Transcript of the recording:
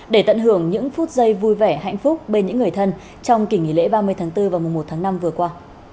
để tận hưởng những phút giây vui vẻ hạnh phúc bên những người thân trong kỷ nghỉ lễ ba mươi tháng bốn và mùa một tháng năm vừa qua